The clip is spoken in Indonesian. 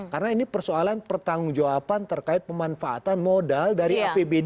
karena ini persoalan pertanggung jawaban terkait pemanfaatan modal dari apbd